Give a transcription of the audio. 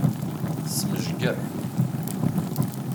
Tesmejger.